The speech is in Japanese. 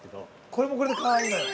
◆これもこれでかわいいのよ。